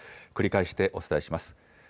繰り返してお伝えします。